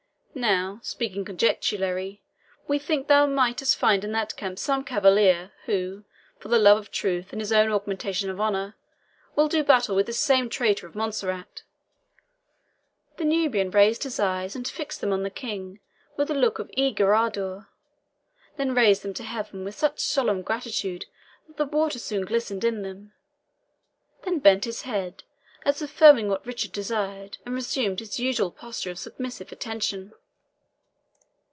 Now, speaking conjecturally, we think thou mightst find in that camp some cavalier who, for the love of truth and his own augmentation of honour, will do battle with this same traitor of Montserrat." The Nubian raised his eyes and fixed them on the King with a look of eager ardour; then raised them to Heaven with such solemn gratitude that the water soon glistened in them; then bent his head, as affirming what Richard desired, and resumed his usual posture of submissive attention.